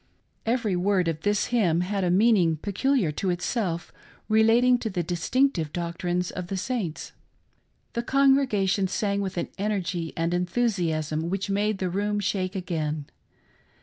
Every word of this h)min had a meaning peculiar to itself, relating to the distinctive doctrines of the Saints. The con gregation sang with an energy and enthusiasm which made the room shake again.